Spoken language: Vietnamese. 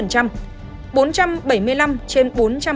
bốn trăm bảy mươi năm trên bốn trăm bảy mươi